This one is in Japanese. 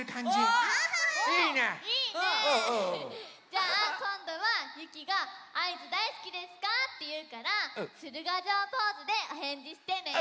じゃあこんどはゆきが「あいづだいすきですか？」っていうからつるがじょうポーズでおへんじしてね。